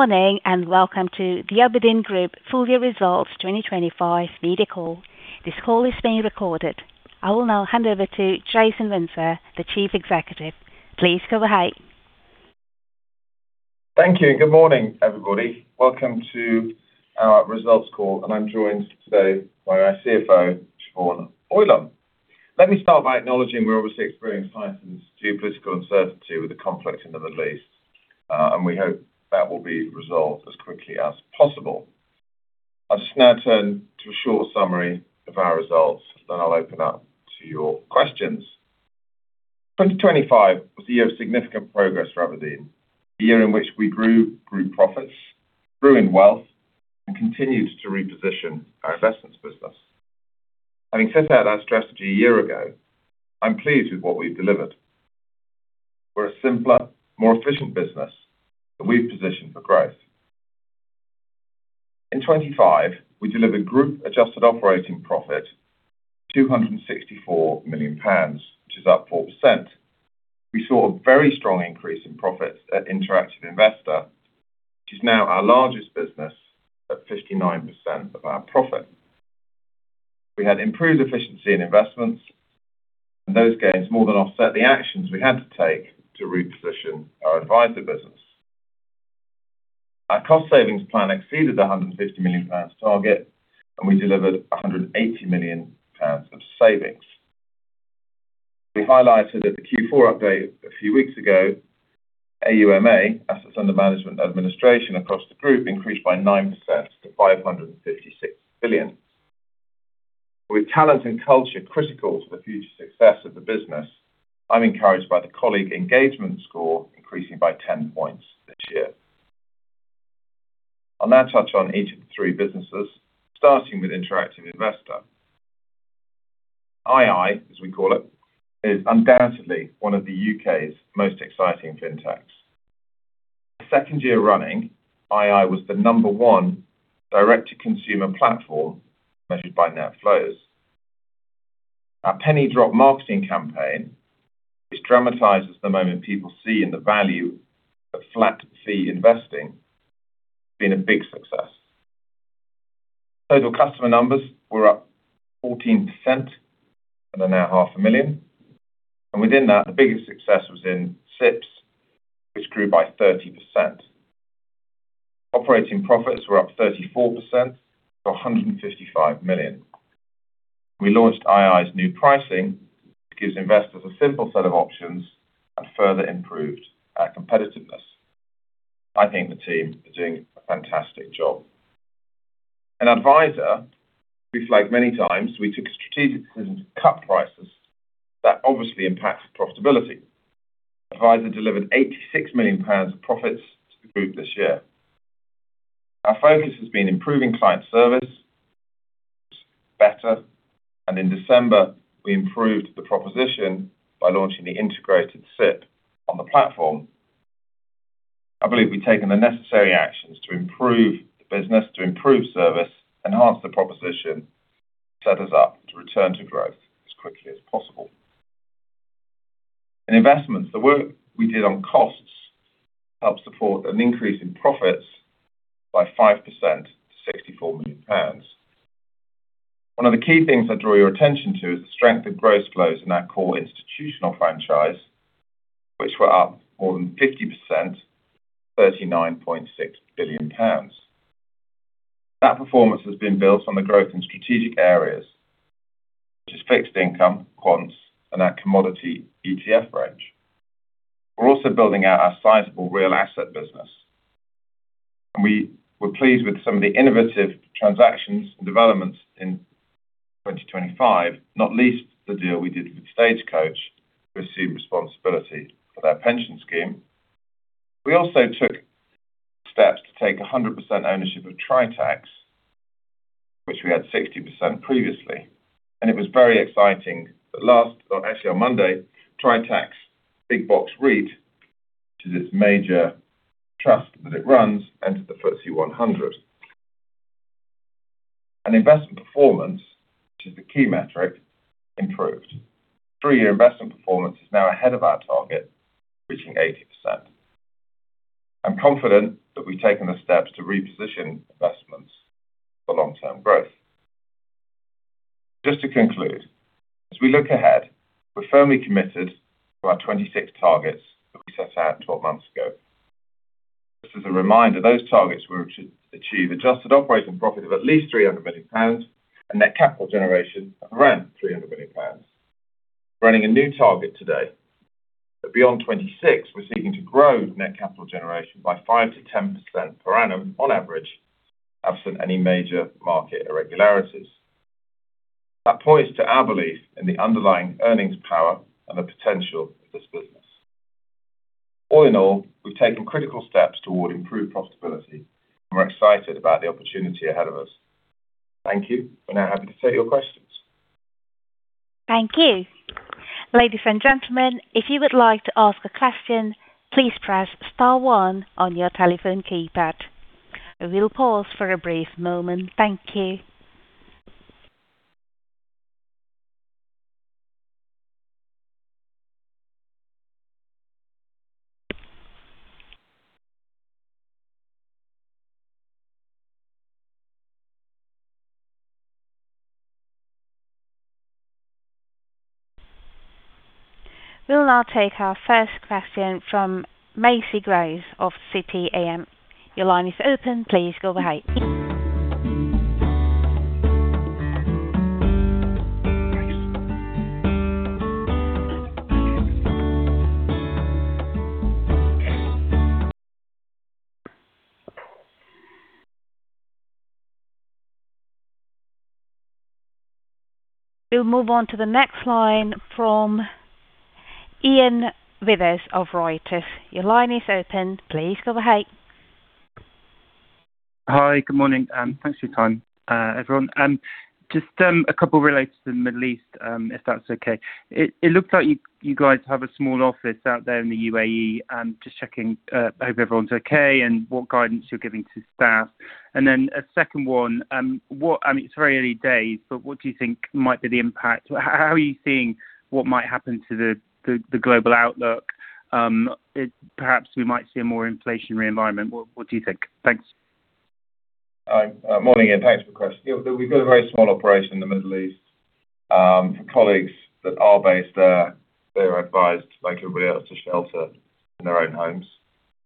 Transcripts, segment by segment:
Morning, welcome to the Aberdeen Group Full Year Results 2025 media call. This call is being recorded. I will now hand over to Jason Windsor, the Chief Executive. Please go ahead. Thank you. Good morning, everybody. Welcome to our results call, and I'm joined today by our CFO, Siobhan Boylan. Let me start by acknowledging we're obviously experiencing heightened geopolitical uncertainty with the conflict in the Middle East, and we hope that will be resolved as quickly as possible. I'll just now turn to a short summary of our results, then I'll open up to your questions. 2025 was a year of significant progress for Aberdeen. A year in which we grew group profits, grew in wealth, and continued to reposition our investments business. Having set out our strategy a year ago, I'm pleased with what we've delivered. We're a simpler, more efficient business, and we've positioned for growth. In 2025, we delivered group adjusted operating profit 264 million pounds, which is up 4%. We saw a very strong increase in profits at Interactive Investor. Is now our largest business at 59% of our profit. We had improved efficiency in investments. Those gains more than offset the actions we had to take to reposition our advisor business. Our cost savings plan exceeded the 150 million pounds target, and we delivered 180 million pounds of savings. We highlighted at the Q4 update a few weeks ago, AUMA, Assets Under Management and Administration across the group increased by 9% to 556 billion. With talent and culture critical to the future success of the business, I'm encouraged by the colleague engagement score increasing by 10 points this year. I'll now touch on each of the 3 businesses, starting with Interactive Investor. ii, as we call it, is undoubtedly one of the U.K.'s most exciting fintechs. Second year running, ii was the number one direct-to-consumer platform measured by net flows. Our penny drop marketing campaign, which dramatizes the moment people see in the value of flat fee investing, has been a big success. Total customer numbers were up 14% and are now half a million GBP. Within that, the biggest success was in SIPS, which grew by 30%. Operating profits were up 34% to 155 million. We launched ii's new pricing, which gives investors a simple set of options and further improved our competitiveness. I think the team are doing a fantastic job. In advisor, we've flagged many times we took a strategic decision to cut prices that obviously impacted profitability. advisor delivered 86 million pounds of profits to the group this year. Our focus has been improving client service, better, and in December, we improved the proposition by launching the integrated SIP on the platform. I believe we've taken the necessary actions to improve the business, to improve service, enhance the proposition, set us up to return to growth as quickly as possible. In investments, the work we did on costs helped support an increase in profits by 5% to 64 million pounds. One of the key things I draw your attention to is the strength of gross flows in our core institutional franchise, which were up more than 50%, 39.6 billion pounds. That performance has been built on the growth in strategic areas, which is fixed income, quants, and our commodity ETF range. We're also building out our sizable real assets business. We were pleased with some of the innovative transactions and developments in 2025, not least the deal we did with Stagecoach to assume responsibility for their pension scheme. We also took steps to take 100% ownership of Tritax, which we had 60% previously, and it was very exciting that last, or actually on Monday, Tritax Big Box REIT, which is its major trust that it runs, entered the FTSE 100. Investment performance, which is the key metric, improved. Three-year investment performance is now ahead of our target, reaching 80%. I'm confident that we've taken the steps to reposition investments for long-term growth. Just to conclude, as we look ahead, we're firmly committed to our 26 targets that we set out 12 months ago. Just as a reminder, those targets were to achieve adjusted operating profit of at least 300 million pounds and net capital generation of around 300 million pounds. Running a new target today, that beyond 2026 we're seeking to grow net capital generation by 5%-10% per annum on average, absent any major market irregularities. That points to our belief in the underlying earnings power and the potential of this business. All in all, we've taken critical steps toward improved profitability. We're excited about the opportunity ahead of us. Thank you. We're now happy to take your questions. Thank you. Ladies and gentlemen, if you would like to ask a question, please press star one on your telephone keypad. We'll pause for a brief moment. Thank you. We'll now take our first question from Maisie Grice of City AM. Your line is open. Please go ahead. We'll move on to the next line from Iain Withers of Reuters. Your line is open. Please go ahead. Hi, good morning. Thanks for your time, everyone. Just a couple related to the Middle East, if that's okay. It looks like you guys have a small office out there in the UAE. Just checking, hope everyone's okay and what guidance you're giving to staff. Then a second one, I mean, it's very early days, but what do you think might be the impact? How are you seeing what might happen to the global outlook? Perhaps we might see a more inflationary environment. What do you think? Thanks. Hi. Morning, Iain. Thanks for the question. Yeah, we've got a very small operation in the Middle East. For colleagues that are based there, they're advised to make every effort to shelter in their own homes.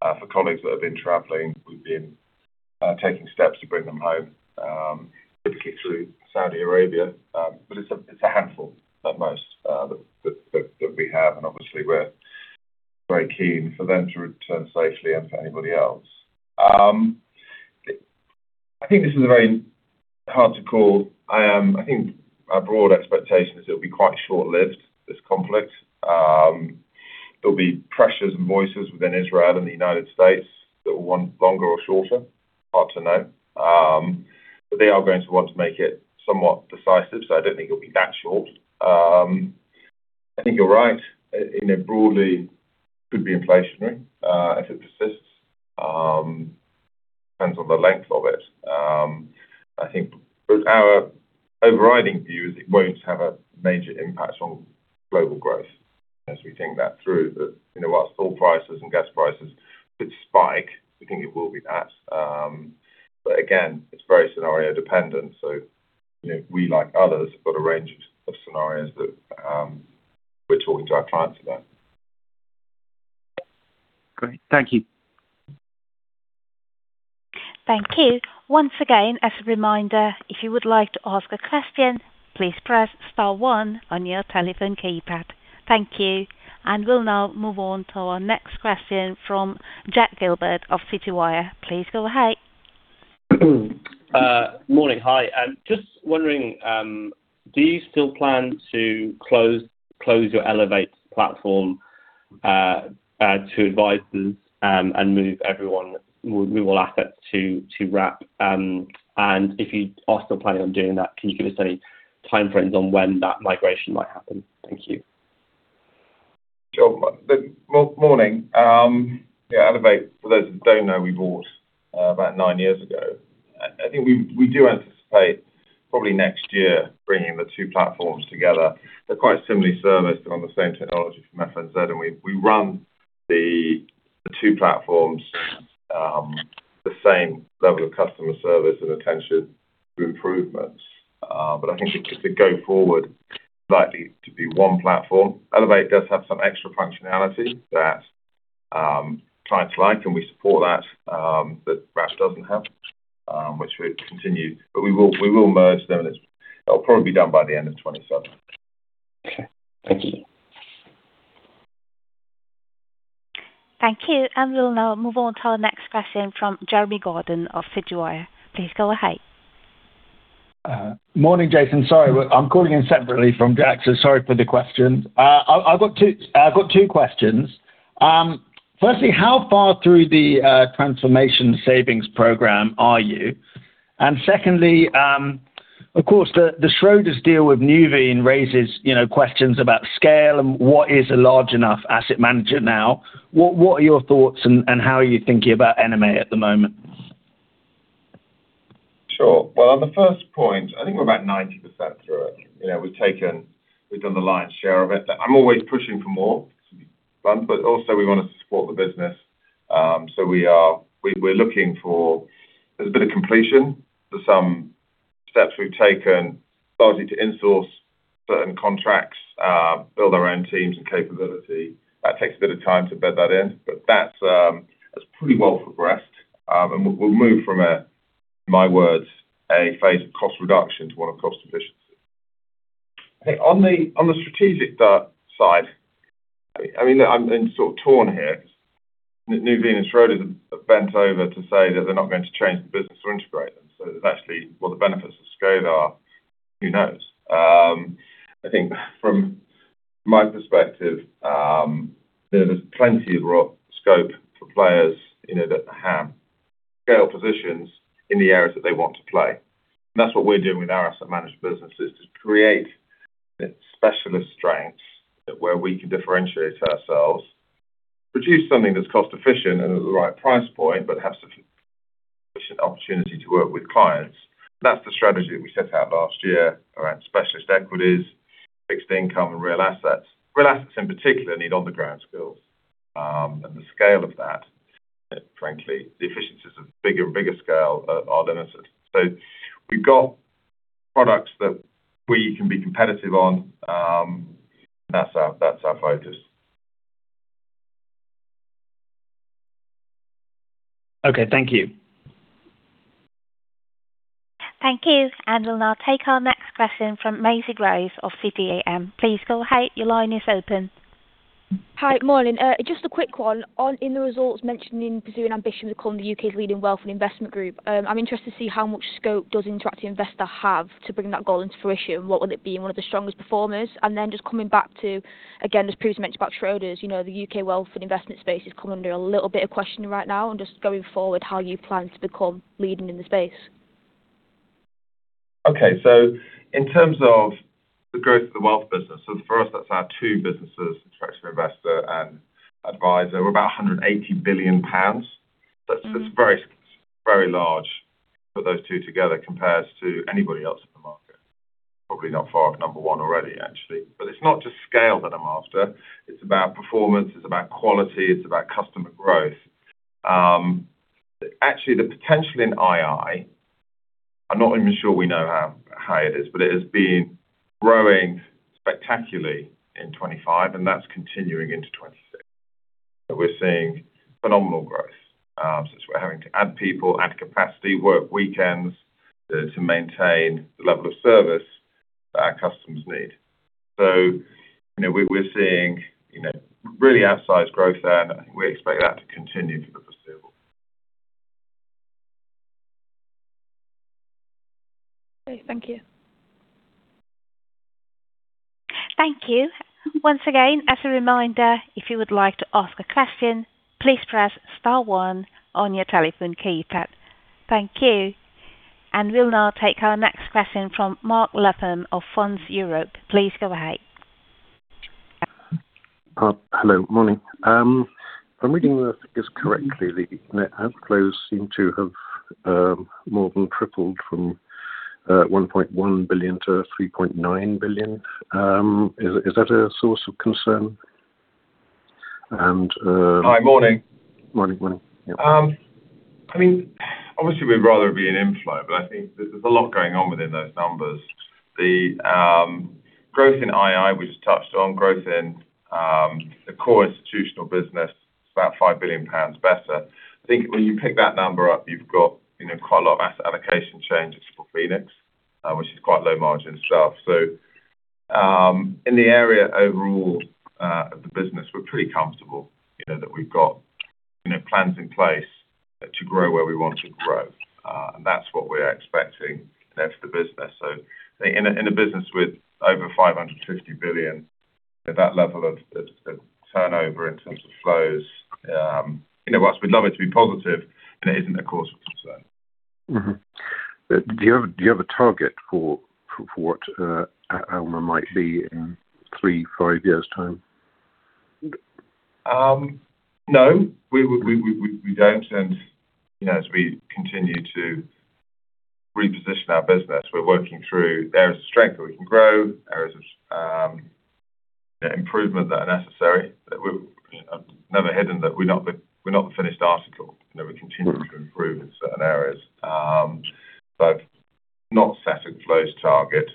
For colleagues that have been traveling, we've been taking steps to bring them home, typically through Saudi Arabia. It's a handful at most that we have, and obviously we're very keen for them to return safely and for anybody else. I think this is very hard to call. I think our broad expectation is it'll be quite short-lived, this conflict. There'll be pressures and voices within Israel and the United States that will want longer or shorter. Hard to know. They are going to want to make it somewhat decisive, so I don't think it'll be that short. I think you're right in a broadly could be inflationary if it persists. Depends on the length of it. I think our overriding view is it won't have a major impact on global growth as we think that through. You know, whilst oil prices and gas prices could spike, we think it will be that. Again, it's very scenario dependent, so, you know, we like others, have got a range of scenarios that we're talking to our clients about. Great. Thank you. Thank you. Once again, as a reminder, if you would like to ask a question, please press star one on your telephone keypad. Thank you. We'll now move on to our next question from Jack Gilbert of Citywire. Please go ahead. Morning. Hi. Just wondering, do you still plan to close your Elevate platform to advisors and move all assets to Wrap? If you are still planning on doing that, can you give us any time frames on when that migration might happen? Thank you. Morning. Yeah, Elevate, for those that don't know, we bought about nine years ago. I think we do anticipate probably next year bringing the two platforms together. They're quite similarly serviced. They're on the same technology from FNZ. We run the two platforms, the same level of customer service and attention to improvements. I think just to go forward, likely to be one platform. Elevate does have some extra functionality that clients like, and we support that Wrap doesn't have, which we continue. We will merge them, it'll probably be done by the end of 2027. Okay. Thank you. Thank you. We'll now move on to our next question from Jeremy Gordon of Citywire. Please go ahead. Morning, Jason. Sorry, I'm calling in separately from Jack, so sorry for the questions. I've got two questions. Firstly, how far through the transformation savings program are you? Secondly, of course, the Schroders deal with Nuveen raises, you know, questions about scale and what is a large enough asset manager now. What are your thoughts and how are you thinking about M&A at the moment? Sure. Well, on the first point, I think we're about 90% through it. You know, we've done the lion's share of it. I'm always pushing for more funds, but also we wanna support the business. We're looking for there's a bit of completion to some steps we've taken partly to insource certain contracts, build our own teams and capability. That takes a bit of time to bed that in, but that's pretty well progressed. We'll move from a, my words, a phase of cost reduction to one of cost efficiency. I think on the strategic side, I mean, look, I'm sort of torn here. Nuveen and Schroders have bent over to say that they're not going to change the business or integrate them. Actually, what the benefits of scale are, who knows? I think from my perspective, you know, there's plenty of scope for players, you know, that have scale positions in the areas that they want to play. That's what we're doing with our asset managed business, is to create specialist strengths where we can differentiate ourselves, produce something that's cost efficient and at the right price point, but has an opportunity to work with clients. That's the strategy that we set out last year around specialist equities, fixed income, real assets. Real assets in particular need on-the-ground skills, and the scale of that, frankly, the efficiencies of bigger and bigger scale are necessary. We've got products that we can be competitive on. That's our, that's our focus. Okay, thank you. Thank you. We'll now take our next question from Maisie Grice of City AM. Please go ahead. Your line is open. Hi. Morning. Just a quick one. On in the results mentioning pursuing ambition to become the U.K.'s leading wealth and investment group, I'm interested to see how much scope does Interactive Investor have to bring that goal into fruition? What will it be in one of the strongest performers? Just coming back to, again, as previous mentioned about Schroders, you know, the U.K. wealth and investment space has come under a little bit of questioning right now. Just going forward, how you plan to become leading in the space? In terms of the growth of the wealth business, for us, that's our two businesses, Interactive Investor and Adviser. We're about 180 billion pounds. That's very, very large. Put those two together compares to anybody else in the market. Probably not far off number one already, actually. It's not just scale that I'm after. It's about performance, it's about quality, it's about customer growth. Actually, the potential in ii, I'm not even sure we know how it is, but it has been growing spectacularly in 2025, and that's continuing into 2026. We're seeing phenomenal growth. We're having to add people, add capacity, work weekends to maintain the level of service that our customers need. You know, we're seeing, you know, really outsized growth there, and I think we expect that to continue for the foreseeable. Okay. Thank you. Thank you. Once again, as a reminder, if you would like to ask a question, please press star one on your telephone keypad. Thank you. We'll now take our next question from Mark Latham of Funds Europe. Please go ahead. Hello, morning. If I'm reading this correctly, the net outflows seem to have more than tripled from 1.1 billion-3.9 billion. Is that a source of concern? Hi, morning. Morning. Yeah. I mean, obviously we'd rather it be an inflow, but I think there's a lot going on within those numbers. The growth in ii, we just touched on growth in the core institutional business is about 5 billion pounds better. I think when you pick that number up, you've got, you know, quite a lot of asset allocation changes for Phoenix, which is quite low-margin stuff. In the area overall of the business, we're pretty comfortable, you know, that we've got, you know, plans in place to grow where we want to grow, and that's what we're expecting out of the business. In a business with over 550 billion, at that level of turnover in terms of flows, you know, whilst we'd love it to be positive, it isn't a cause for concern. Do you have a target for what outflow might be in 3-5 years' time? No. We don't, and, you know, as we continue to reposition our business, we're working through areas of strength where we can grow, areas of, you know, improvement that are necessary. We've, you know, never hidden that we're not the finished article. You know, we continue to improve in certain areas. Not set a close target.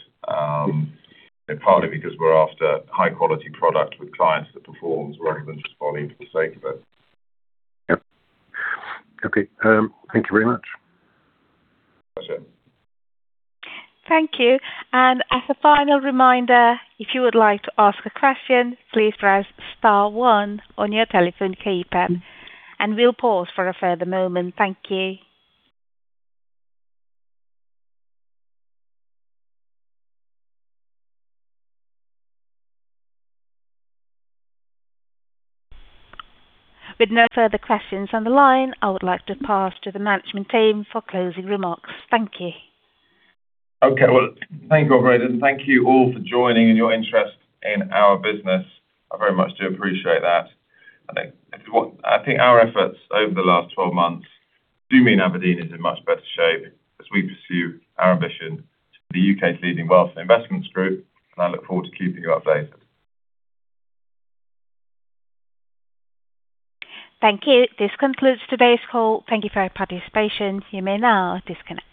Partly because we're after high-quality product with clients that performs rather than just volume for the sake of it. Yeah, okay. Thank you very much. Pleasure. Thank you. As a final reminder, if you would like to ask a question, please press star one on your telephone keypad. We'll pause for a further moment. Thank you. With no further questions on the line, I would like to pass to the management team for closing remarks. Thank you. Okay. Well, thank you, operator, and thank you all for joining and your interest in our business. I very much do appreciate that. I think our efforts over the last 12 months do mean Aberdeen is in much better shape as we pursue our ambition to be the U.K.'s leading wealth and investments group, and I look forward to keeping you updated. Thank you. This concludes today's call. Thank you for your participation. You may now disconnect.